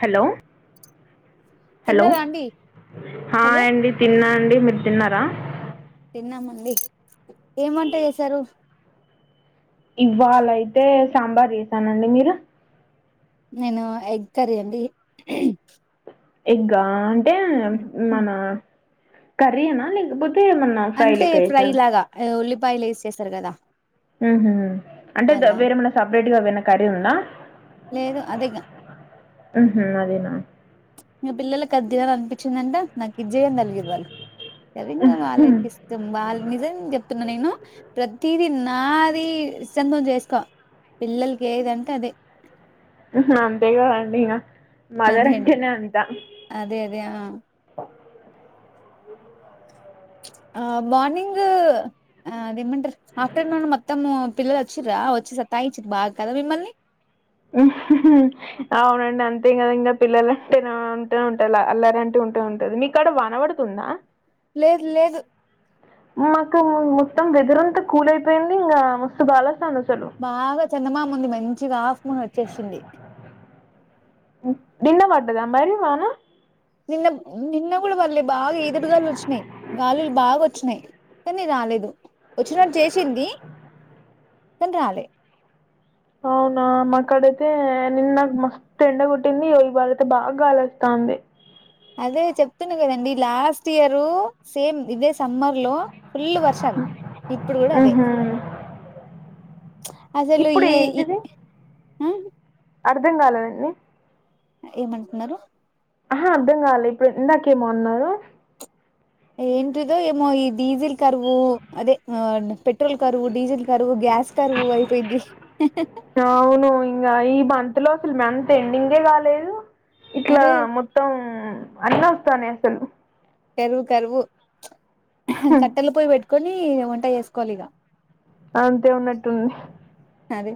Hello hello తిన్నదా అండి hello hi అండి తిన్నా అండి మీరు తిన్నారా తిన్నామండి ఏం వంట చేసారు ఇవాళ అయితే సాంబార్ చేసానండి మీరు నేనూ ఎగ్ కర్రీ అండి ఎగ్గా అన్ ఏమ్ మనా కర్రీ ఏనా లేకపోతే ఏమన్నా ఫ్రై అంటే లెక్క ఫ్రై చేసారా లాగా ఉల్లిపాయలు ఏసీ చేస్తారు కదా ఉహుమ్ అంటే అలా వేరే ఏమన్న సపరేట్ గా ఏదన్న కర్రీ ఉందా లేదు అదే ఇగ హ్మ అదేనా నా పిల్లలకి అది తినాలని అనిపించిందంట నాకు ఇది చేయి అని తగిలింరు వాళ్ళు సరే ఇంగ వాళ్ళకిష్టం వాళ్ నిజం చెప్తున్న నేనూ ప్రతిదీ నాదీ సందం చేసుకో పిల్లల్ కీ ఏదంటే అదే హు హు అంతే గదా అండి ఇగ అదే మదరంటనే అంతా అదే అదే ఆ ఆ మార్నింగా అదిమంటరు ఆఫ్టర్నూన్ మొత్తమూ పిల్లలు వచ్చర్రా వచ్చి సత్తాయిచిన్రు బాగా కదా మిమ్మల్ని ఊ హూ అవునండి అంతే కదా ఇంగ పిల్లల అంటే ఆ ఉంటనే ఉంటది అల్లారంటే ఉంటే ఉంటది మీకు ఆడ వాన పడుతుందా లేదు లేదు మాకు మొత్తం వెదర్ అంత కూల్ అయిపోయింది ఇంగా మస్తు గాలి వస్తాంది బాగా చందమామ ఉంది మంచిగా హాఫ్ మూన్ వచ్చేసింది నిన్న పడ్డదా మరి వానా నిన్న నిన్న వాళ్ళ బాగా ఈదురుగాలులు వచ్చినాయ్ గాలులు బాగా వచ్చినాయ్ కానీ రాలేదు వచ్చినటు చేసింది కానీ రాలే అవునా మకాడ ఐ తే నిన్న నాక్ మస్త్ ఎండ కొట్టింది ఇగా ఇవాళ అయితే బాగా గాలేస్తుంది అదే చెప్తున్నా కదండి లాస్ట్ ఇయరు సేమ్ ఇదే సమ్మర్ లో ఫుల్ వర్షం ఇప్పుడు కూడా అదే ఊహూ అసలు ఇప్పుడు ఈ ఇ అర్ధం కాలేదండి ఏమంటున్నారు ఆహా అర్థంకాలే ఇప్పుడు ఇందాకేమో అన్నారు ఏంటిదో ఏమో ఈ డీజిల్ కరువు అదే ఆ పెట్రోల్ కరువు డీజిల్ కరువు గ్యాస్ కరువు అయిపోయిద్ది అవును ఇంగా ఈ బ దులో అసలు మంత్ ఎండింగే కాలేదు ఇట్లా అదే మొత్తం అన్న స్తనే అసలు కరువు కరువు కట్టెలపొయ్యి పెట్టుక్ కొని వంట చేసుకోవాలి ఇగ అంతే ఉన్నట్టుంది అదే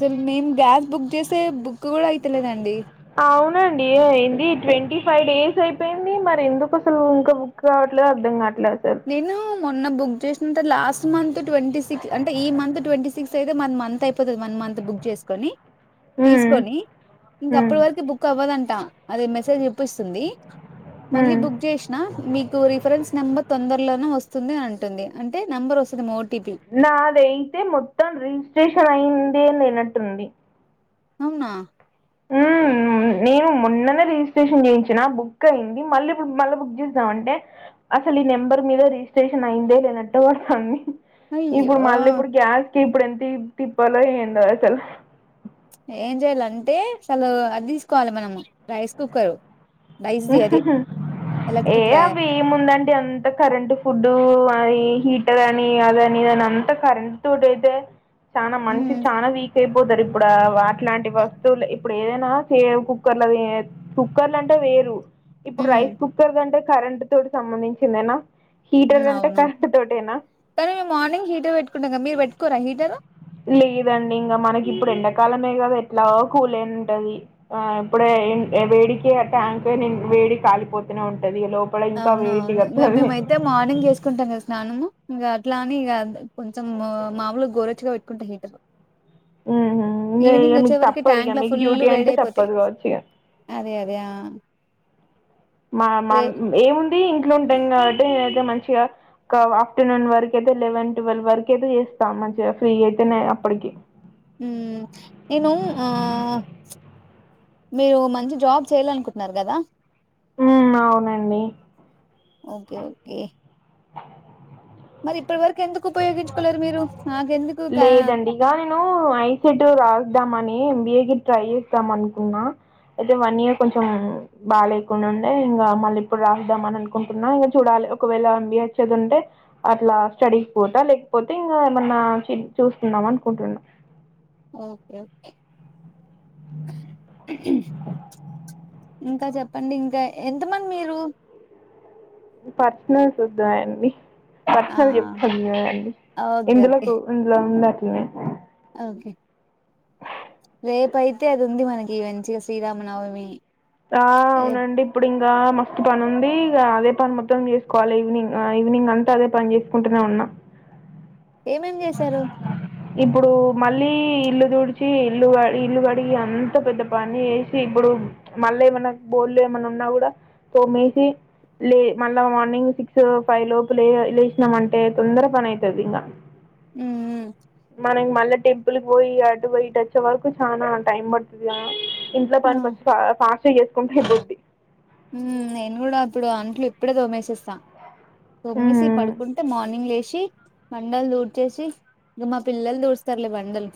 అసలు మేమ్ గ్యాస్ బుక్ చేస్తే బుక్ కూడా అయితలేదండి అవునండి ఏ ఏంది ట్వంటీ ఫైవ్ డేస్ అయిపోయింది మరి ఎందుకు అసలు ఇంకా బుక్ కావట్లేదు అర్ధం కావ నేను మొ న్న బుక్ చేసిన లాస్ట్ మంత్ ట్వంటీ సిక్స్ అంటే ఈ మంత్ ట్వంటీ సిక్స్ అయితే వన్ మంత్ అయిపోతది వన్ మంత్ బుక్ చేసుకొని ఉమ్, తీసుకొని ఇంక ఉమ్, అప్పటి వరకు బుక్ అవ్వదంటా అది మెసేజ్ చూపిస్తుంది మళ్ళీ ఉమ్. బుక్ చేసిన మీకు రిఫరెన్స్ నెంబర్ తొందర్లోనే వస్తుంది అంటుంది అంటే నెంబర్ వస్తుంది ఓ నాదైతే మొత్తం రిజిస్ట్రేషన్ అయింది ఉంది లేనట్టుంది. అవునా ఉహ్మ్ నేను మొన్ననే రిజిస్ట్రేషన్ చేయించిన బుక్ అయ్యింది. మళ్ళీ ఇప్పుడు మళ్ళ బుక్ చేద్దాం. అంటే అసలు ఈ నెంబర్ మీద రిజిస్ట్రేషన్ అయ్యిందే లేనాట్టు వస్తంది. అయ్యో ఇప్పుడు మళ్ళీ ఇప్పుడు గ్యాస్ కీ ఇప్పుడు ఎంతి తిప్పలో ఏందో అసలు ఏం చెయాలంటే అసలు అది తీసుకోవాలి మనము రైస్ కుక్కరు రైస్ది అదే ఏ ఎలక్ట్రిక్ లా అవి ముందండి అంత కరెంట్ ఫుడ్డు అయి హీటర్ అని ఆదని ఇదనీ అంతా కరెంటు తోటయితే చానా మనిషి మ్మ్ చానా వీక్ అయిపో పోతారిప్పుడా వాన ఇలాంటి వస్తువులు ఇప్పుడు ఏదైనా సేమ్ కుక్కర్ల చెయ్యొద్ కుక్కర్ల అంటే వేరే దు ఇప్పుడు మ్మ్ రైస్ కుక్కర్ గంటే కరెంటు తోటి సంబంధించిందేనా హీటర్ ఉహ్మ్ అంటే అవును. కరెంట్ తోటేనా కానీ మేము మార్నింగ్ హీటర్ పెట్టుకుంటాం కదా మీరు పెట్టుకోరా హీటరు. లేదండి ఇంగ మనకి ఇప్పుడు ఎండకాలమే కదా ఎట్లాగో కాలే ఉండది. ఆ ఇప్పుడే ఎ వేడికే ఆ ట్యాంక్ నీల్ వేడికి కాలిపోతనే ఉంటది లో అవునవును ఇంగ మేమైతే మార్నింగ్ చేసుకుంటాం. కదా స్నానము ఇంగా అట్లా అని ఇగా కొంచెం మాముూలు గోరెచ్చగా పెట్టుకుంటా హీటర్ ఉహు ఇగ ఇగ ఈవినింగ్ మీకు వచ్చే వరకు తప్పదు ఇగ ట్యాంక్ ల మీకు ఫుల్లు డ్యూటీ అంటే వేడైపోతాయి. తప్పదు కావచ్చు ఇగ అదే అదే ఆహ్ మా మాన్ ఏముంద్ ది ఇంట్లుంటాం కాబట్టి. అయితే మంచ్ చిగ ఒక ఆఫ్టర్నూన్ వరకు అయితే లెవెన్ ట్వెల్వ్ వరకు అయితే చేస్తాం. మంచిగా ఫ్రీ అయితేనే అప్పడికి ఉహ్ నేను ఆ మీరు మంచి జాబ్ చేయాలనుకుంన్నారు. కదా ఉమ్ అవునండి ఓకే ఓకే మరి ఇప్ నాకెందుకు గా లేదండి. ఇగ నేను ఐ. సిట్ రాద్దామని M. B. A seat try చేస్తాం అనుకున్నా. అయితే వన్ ఇయర్ కొంచెం బాగా లేకుండిండే. ఇంగా మళ్ళీ ఇప్పుడు రాద్దాం అని అనుకుంటున్నా. ఇంగా చూడాలి ఒకవేళ ఎం. బి. ఎ వచ్చేది ఉంటే అట్లా స్టడీ పోత లేకపోతే ఇంగా. ఏమన్నా చి చూసుకుందామా అనుకుంటున్నా. ఓకే ఓకే ఇంకా చెప్పండి. ఇంకా ఎంత మంది మీరు పర్సనల్స్ వద్దు అండి ఆ పర్సనల్ చెప్పుడు ఉండదండి. ఓకే ఇందులో ఓకే కు ఇందులో ఉండాద్ ఇవి ఓకే రేపయితే అది ఉంది మనకి మంచిగ శ్రీరామనవమి ఆ రేపు అవునండి ఇప్పుడు ఇంకా మస్తు పని ఉంది ఇగ అదే పని మొత్తం చేసుకోవాలి ఈవినింగ్ ఈవినింగ్ అంత అదే పని చేసుకుంటనే ఉన్నా ఏమేం చేసారు ఇప్పుడు మళ్ళీ ఇల్లు తుడ్చి ఇల్లు ఇల్లు కడిగి అంత పెద్ద పని చేసి ఇప్పుడు మళ్ళా ఏమన్నా బోళ్ళు ఏమన్నా ఉన్నా కూడా తోమేసి లే మళ్ళా మార్నింగ్ సిక్స్ ఫైవ్ లోపు లే లేసినమంటే తొందర పని అయితది ఇంగ ఉమ్ ఉమ్ మనక్ మల్లోటె తుల్ కి పొయి అటు పోయి ఇటు వచ్చేవారుకు చానా టైం పడుతుంది. గధ ఇంట్లో ఆ, పని కో సాక్షం చేసుకుంటే ఆయిపోంది. ఉమ్ నేను కూడా ఇప్పుడు అంట్లు ఇప్పుడే తోమేసి ఇస్తా. తొమ్మేసి ఉమ్. పడుకుంటే మార్నింగ్ లేసి. బండలు దూడ్చేసి ఇంకా మా పిల్లలు దూడ్స్తారులే బండలు.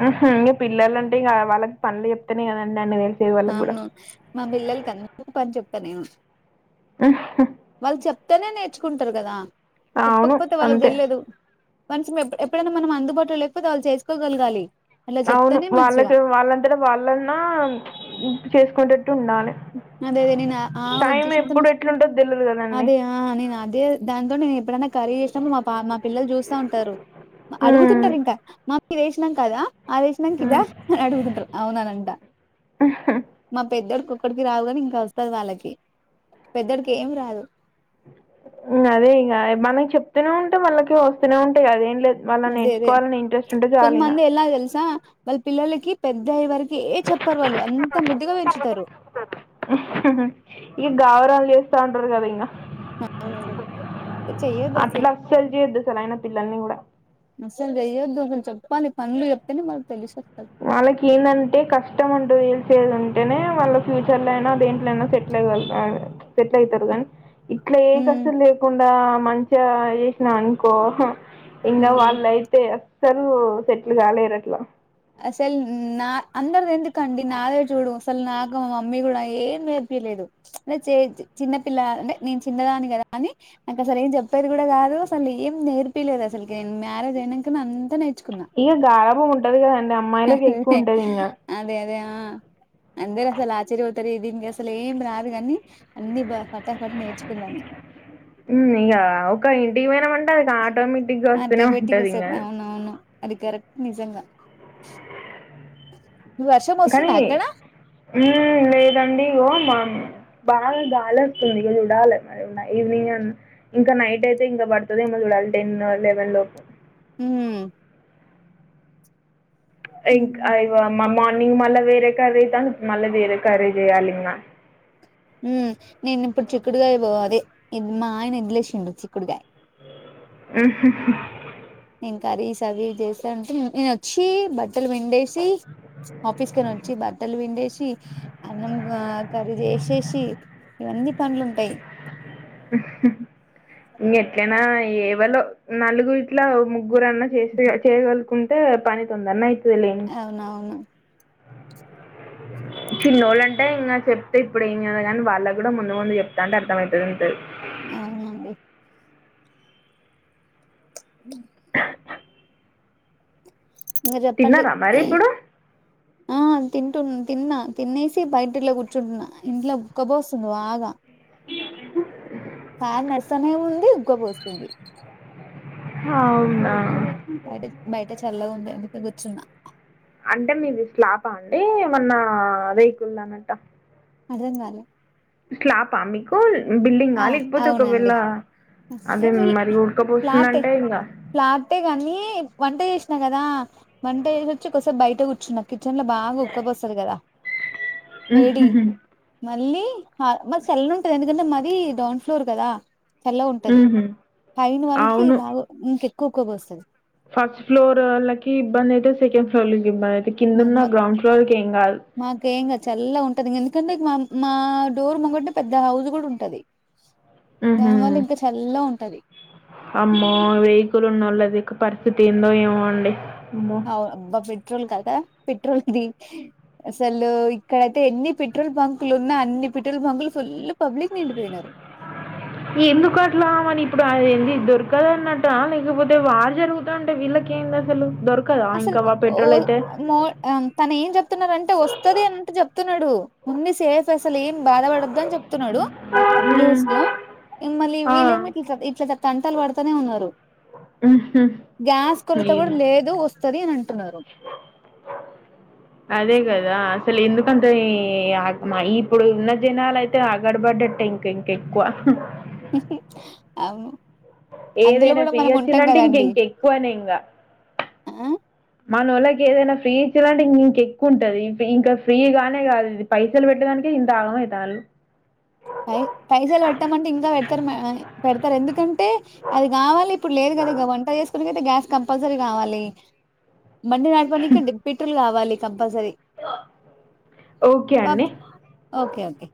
హ హ మీ పిల్లంటే వాళ్ళకి పనులు చెప్తానే కదండి అన్ని తె అవును. మా పిల్లలకి అందరికి పని చెప్త. పని ఉహు, వాల చప అయితేనే నేర్చుకుంటారు కదా. అవును చెప్పకపోతే వాళ్ళకి అంతే తెల్వదు కనీసం ఎప్పుడైనా మనం అందుబాటులో లేకపోతే వాళ్ళు చేసుకోగలగాలి. అలా అవును చెప్తేనే మంచిగా వాళ్ళకి వాళ్ళంతంట వాళ్ళన్నా చేసుకుంటనే అదే నేను ఆ టైం ఉద్దేశంతోనే ఎప్పుడు ఎట్లుంటుందో తెలియదు కదండి అదే ఆ నేను అదే దాంతో నేను ఎప్పుడైనా కర్రీ చేసిన మా పాపా పిల్లలు చూస్తా ఉంటారు ఉమ్, అడుగుతుంటారు ఇంకా మా మీ వేసినాం కదా అదేసినంక ఇదా ఉమ్. అని అడుగుతుంటారుఅవుననంట ఉహు, మా పెద్దోడు అక్కడికి రావు కాని ఇంకా వస్తది వాళ్ళకి పెద్దడికి ఏం రాదు‌ అదే ఇగ మనకి చెప్తూనే ఉంటే వాళ్ళకి వస్తూనే ఉంటాయి అదేం లేదు. వాళ్ళు అదే అదే నేర్చుకోవాలని ఇంట్రెస్ట్ ఉంటే చాలు ఇగా. మళ్ళీ పిల్లలకి పెద్ద అయ్యే వరకి ఏం చెప్పరు వాళ్ళు అంతా ముద్దుగా పెంచుతారు. ఇక గావరాలు చేస్తా ఉంటారు కదా ఇంగా అదే అట్లా అస్సలు చేయొద్దు అసలు ఆయన పిల్లల్ని కూడా అస్సలు చెయ్యొద్దు అసలు చెప్పాలి. పనులు చెప్తే మనక్ తెలుస్త వాళ్ళకి ఏందంటే కష్టం ఉంటది గోల్ ఉంటేనే వాళ్ళ ఫ్యూచర్ లో అయినా దేంట్లో అయినా సెట్లు అయ్యి సెట్లు అవుతారు. కానీ ఇట్ల ఏ హ్మ్. కష్టం లేకుండా మంచిగ చేసిన గాని కోసం ఇంకా హ్మ్. వాళ్ళయితే సలు సెట్ల్ కాలేరు అట్లా సల్ నా అందర్దిందు కండి నాదే చూడు సస నా ఇక మా మమ్మీ కూడా ఏం నేర్పియలేదు అంటే చిన్న పిల్ల అంటే నేను చిన్నదాన్ని కదా అని నాకు అసలు ఏం చెప్పేది కూడా కాదు అసలు ఏం నేర్పియలేదు అసలుకి నేను మ్యారేజ్ అయినాక అంత నేర్చ్ ఈ గారాబమ్ ఉంట ఎత్తుగా ఉండే అమ్మాయిలకి ఎక్కువ ఉంటది నింగ న అందేర్ అసలు ఆ చీర చెప్తరు దీనికి అసలు ఏం రాదు కాని అన్ని బ పటాఫట్ నేర్చుకుందండి ఉమ్ ఇక ఒక ఇంటి పోయినామంటే ఉండదిక ఆటో మీ ఇంటికి వస్తూనే ఆటోమేటిక్ ఉంటది ఇంకా వస్తది అవునవును అది కరెక్ట్ నిజంగ కనీ ఉమ్ లేదండి ఇగో మా బాగా గాలి వస్తుంది ఇక చూడాలి మరి ఈవినింగ్ ఇంక నైట్ అయితే ఇంకా పడుతుంది ఏమో చూడాలె టెన్ ఎలెవెన్ లోపు ఊహు ఇంక్ ఉమ్ అదిగో మమ్మి మార్నింగ్ మళ్ళ వేరే కర్రీ అయితాన్ మళ్ళీ వేరే కర్రీ చేయాలి ఉమ్ నేను ఇప్పుడు చిక్కుడుగాయ అదే ఇది మా ఆయన వదిలేసిండ్రు చిక్కుడుకాయ ఉహ్ హు నేను కర్రీ సవి చేస్తానుంటే నేను వచ్చి బట్టలు పిండేసి ఆఫీస్ కొని వచ్చి బట్టలు పెండేసి అన్నం కర్రీ చేసేసి ఇవన్నీ పనులు ఉంటాయి ఇంక ఎట్లనా ఏవలో నలుగుర్ ఇట్లా ము ముగ్గురన్నా చేసి చేయగలుగు కుంటే పని తొందర్న అయి అవునవును చిన్నోళ్ళ అంటే ఇంకా చెప్తే ఇప్పుడు ఏం కదా కాని వాళ్ళకి కూడా ముందు ముందు చెప్తా అంటే అర్థమవుతుంది ఉంటుంది అవునండి తిన్నార మరి ఇప్పుడు ఉమ్ ఆ తింటున్న తిన్నా తిినేసి బయటలో కూర్చుంటున్నా ఇంట్లో ఉక్కబోస్తుంది బాగా ఫ్యాన్ నర్స్తనే ఏ ఉంది ఉ్గపోస్తుంది హా అవునా బయట బయట చల్లగా ఉందండి గుర్చున్నా [unintelligible] అంటే మీది శ్లాప అండి ఏమన్నా రేకుల ఇల్లు అన్నట్ట అంటన్నారు [unintelligible] ల స్లాప పా మీకుల్ అ అవునండి అదే మరి ఫ్లాట్ ఉడకపోస్తుందంటే ఇంకా ప్లాటే కానీ వంట చేస్త కదదా వంట చేసొచ్చి కాసేపు బయట కూర్చున్న కి కిచ్చన్ లో బాగా ఉక్కపోస్తది కదా వేడి మళ్ళీ మ సెల్లు ఉంటది ఎందుకంటే మ ఇది డౌం ఫ్లోర్ కదా చల్ల ఉంటది ఉహు పైన వాళ్ళకి అవును బాగా ఇంకె ఉక్క పోస్తాది ఫస్ట్ ఫ్లోర్ లకి ఇబ్బంది అయితే సెకండ్ ఫ్లోర్ కి ఇబ్బంది అయితే కిందున్న గ్రౌండ్ ఫ్లోర్కి ఏం కాదు మాకు ఏం కాదు చల్లగా ఉంటది కానీ ఎందుకంటే మా మా డోర్ ముగడి పెద్ద హౌస్ కూడా ఉంటది ఊహు దాని వల్ల ఇంకా చల్లగా ఉంటది అమ్మో రేకులు ఉన్నొలది పరిస్థితి ఏందో ఏమో అండి అమ్మో అవు అబ్బా పేట్ పెట్రోల్ కదా పెట్రోల్ది అసలు ఇక్కడైతే ఎన్ని పెట్రోల్ బంకులు ఉన్నా అన్ని పెట్రోల్ బంకులు ఫుల్ పబ్లిక్ నిండిపోయినారు ఇది దొరకదు అన్నట్ట లేకపోతే వార్ జరుగుతా ఉంటే వీళ్లకెంది అసలు దొరకదా అసలు ఇంకా వా ఓ పెట్రోల్ అయితే మోర్ తనే ఏమ్ చెప్ చెప్తున్నా అంటే వస్తుది అని అంటే చెప్తున్నాడు ఉంది సేఫ్ అసలు ఏం బాధపడదు అని చెప్తున్నాడు మ్మ్. న్యూస్ లో మళ్ళీ ఆ. విళ్ళు ఏమో ఇట్ల ఇట్ల చెప్ తంటలు పడతానే ఉన్నారు మ్హూ. గ్యాస్ కొరత కూడా ఏం- లేదు వస్ సరేనండి అదే కదా అసలు ఎందుకు అంటే ఈ ఇప్పుడు ఉన్న జనాలు అయితే ఆగడ పడ్డట్ట ఇంకా ఇంక ఎక్కువ అవును అందులో ఏదైనా కూడా ఫీ మనం ఉంటాం నచ్చిందంటే ఇంక కదండి ఇంక ఎక్కువనే ఇంకా ఆ మానూళ్ళకి ఏదైనా ఫ్రీ ఇచ్చాలంటే ఇంక ఎక్కువ ఉంటది ఇంకా ఫ్రీగానే కాదు ఇది పైసలు పెట్టడానినికి ఇంత ఆగమైతంలు పై పైసలు పెట్టామంటే ఇంకా పెడతారు పెడతారు ఎందుకంటే అది కావాలి ఇప్పుడు లేదు కదా ఇక వంట చేసు కైతే గ్యాస్ కంపల్సరీ కావాలి బండి నడపనికి పెట్రోల్ కావాలి కంపల్సరీ ఓకే అండి ఓకే ఓకే